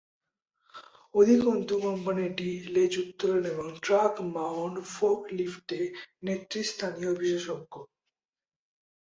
অধিকন্তু, কোম্পানিটি লেজ উত্তোলন এবং ট্রাক মাউন্ট ফোর্কলিফটে নেতৃস্থানীয় বিশেষজ্ঞ।